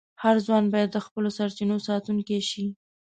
هر ځوان باید د خپلو سرچینو ساتونکی شي.